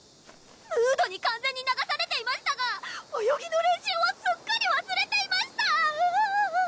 ムードに完全に流されていましたが泳ぎの練習をすっかりわすれていました！